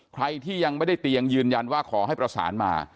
ใครที่ยังไม่ได้เตียงยืนยันว่าขอให้ประสานมา